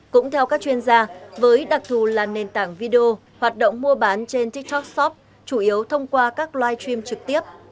cũng theo các chuyên gia với đặc thù là nền tảng video hoạt động mua bán trên tiktok shop chủ yếu thông qua các live stream trực tiếp